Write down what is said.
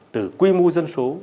từ quy mô dân số